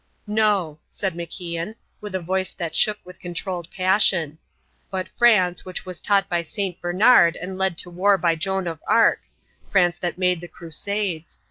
"No," said MacIan, in a voice that shook with a controlled passion. "But France, which was taught by St. Bernard and led to war by Joan of Arc. France that made the crusades.